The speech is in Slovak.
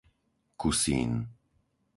Kusín